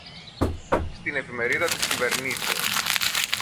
στην Εφημερίδα της Κυβερνήσεως